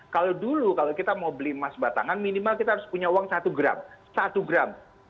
kalau dulu kalau kita mau beli emas batangan minimal kita harus punya uang satu gram satu gram